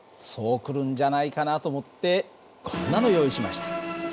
そう来るんじゃないかなと思ってこんなの用意しました。